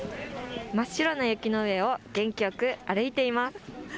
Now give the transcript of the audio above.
真っ白な雪の上を元気よく歩いています。